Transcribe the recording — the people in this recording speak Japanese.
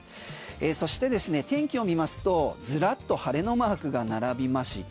そして、天気を見ますとずらっと晴れのマークが並びました。